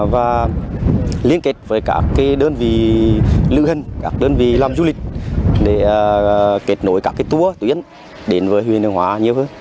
và liên kết với các đơn vị lựa hình các đơn vị làm du lịch để kết nối các tour tuyến đến với huyện hướng hóa nhiều hơn